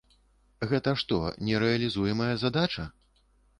Гэта што, нерэалізуемая задача?